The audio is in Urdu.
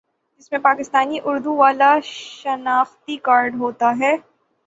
جس میں پاکستانی اردو والا شناختی کارڈ ہوتا ہے